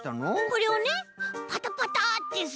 これをねパタパタってすると。